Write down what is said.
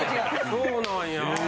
そうなんや。